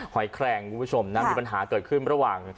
หอยแคลงคุณผู้ชมนะมีปัญหาเกิดขึ้นระหว่าง